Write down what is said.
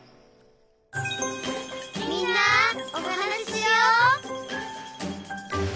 「みんなおはなししよう」